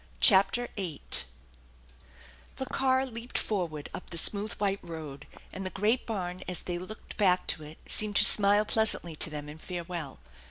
CHAPTER VIII THE car leaped forward up the smooth white road, and the great barn as they looked back to it seemed to smile pleasantly to them in farewell.